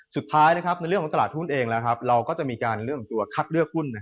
สุดท้ายในเรื่องของตลาดหุ้นเองเราก็จะมีการเรื่องของตัวคัดเลือกหุ้น